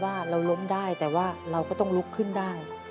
ว่าเราล้มได้แต่ว่าเราก็ต้องลุกขึ้นได้